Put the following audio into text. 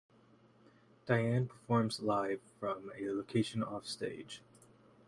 Dyne performs live from a location off stage.